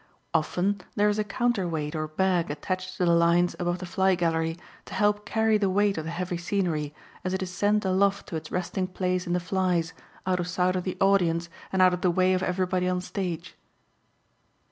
Often there is a counterweight or bag attached to the lines above the fly gallery to help carry the weight of the heavy scenery as it is sent aloft to its resting place in the flies, out of sight of the audience and out of the way of everybody on stage.